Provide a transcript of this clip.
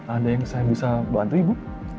ada yang bisa saya bantu ibu